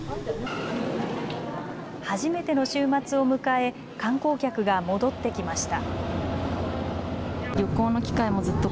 初めての週末を迎え観光客が戻ってきました。